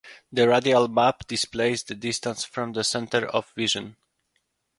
The radial map displays the distance from the center of vision.